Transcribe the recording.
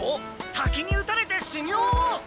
滝に打たれて修行を！